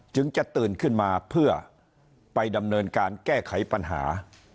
จะตื่นขึ้นมาเพื่อไปดำเนินการแก้ไขปัญหา